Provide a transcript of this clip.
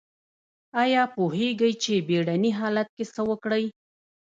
ایا پوهیږئ چې بیړني حالت کې څه وکړئ؟